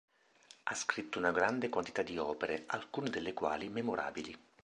Ha scritto una grande quantità di opere, alcune delle quali memorabili.